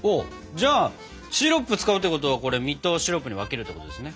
じゃあシロップ使うってことはこれ実とシロップに分けるってことですね？